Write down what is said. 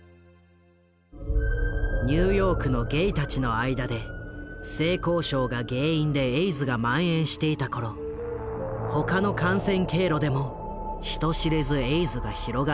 ニューヨークのゲイたちの間で性交渉が原因でエイズがまん延していた頃他の感染経路でも人知れずエイズが広がっていた。